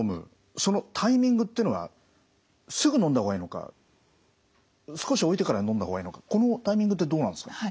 そのタイミングっていうのはすぐのんだ方がいいのか少し置いてからのんだ方がいいのかこのタイミングってどうなんですか？